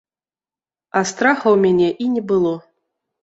А страха ў мяне і не было.